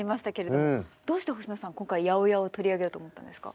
どうして星野さん今回８０８を取り上げようと思ったんですか？